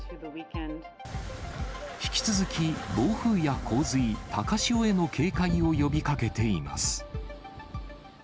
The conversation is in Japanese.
引き続き、暴風や洪水、高潮への警戒を呼びかけています。